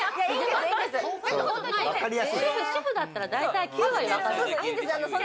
主婦だったら大体９割分かる。